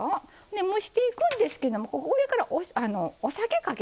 蒸していくんですけども上からお酒かけます。